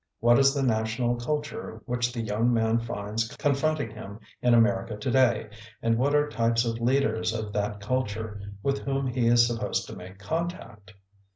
What is the national culture which the young man finds confront ing him in America today, and what are types of leaders of that culture with whom he is supposed to make contact?